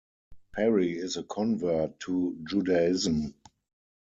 Perry is a convert to Judaism.